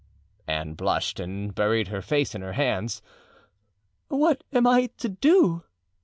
Anne blushed and buried her face in her hands. "What am I to do?"